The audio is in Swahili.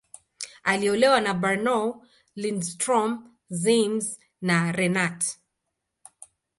Aliolewa na Bernow, Lindström, Ziems, na Renat.